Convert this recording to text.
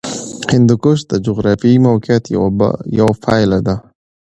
هندوکش د جغرافیایي موقیعت یوه پایله ده.